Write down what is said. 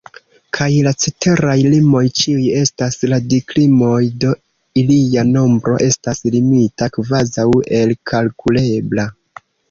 Kaj la ceteraj rimoj ĉiuj estas radikrimoj, do ilia nombro estas limita, kvazaŭ elkalkulebla.